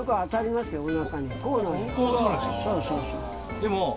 でも。